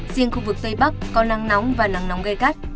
riêng khu vực tây bắc có nắng nóng và nắng nóng cay cắt